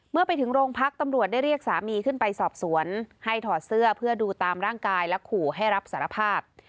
เมื่อไปถึงโรงพักตำรวจได้เรียกสามีขึ้นไปสอบสวนให้ถอดเสื้อเพื่อดูตามร่างกายและขู่ให้รับสารภาพ